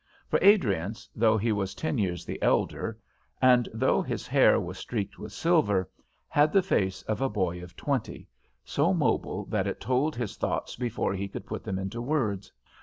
For Adriance, though he was ten years the elder, and though his hair was streaked with silver, had the face of a boy of twenty, so mobile that it told his thoughts before he could put them into words.